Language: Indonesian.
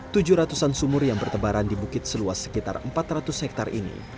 tujuh ratusan sumur yang bertebaran di bukit seluas sekitar empat ratus hektare ini